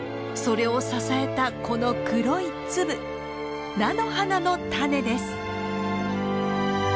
それを支えたこの黒い粒菜の花のタネです。